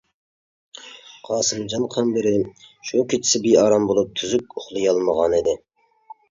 قاسىمجان قەمبىرى شۇ كېچىسى بىئارام بولۇپ تۈزۈك ئۇخلىيالمىغانىدى.